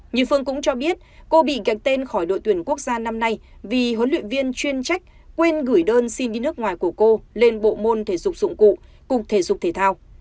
như phương cũng cho biết cô bị kẹt tên khỏi đội tuyển quốc gia năm nay vì huấn luyện viên chuyên trách quên gửi đơn xin đi nước ngoài của cô lên bộ môn thể dục dụng cụ cục thể dục thể thao